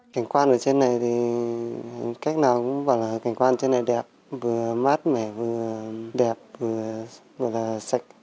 cảnh quan ở trên này thì cách nào cũng bảo là cảnh quan trên này đẹp vừa mát mẻ vừa đẹp vừa là sạch